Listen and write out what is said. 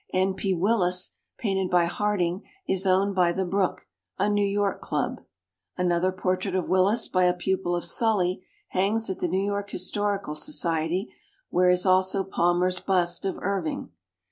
N. P. Willis painted by Harding is owned by The Brook, a New York Club. Another portrait of Willis by a pupil of Sully hangs at the New York Historical So ciety where is also Palmer's bust of Irving.